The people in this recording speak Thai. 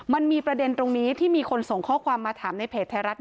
มันมีประเด็นตรงนี้ที่มีคนส่งข้อความมาถามในเพจไทยรัฐ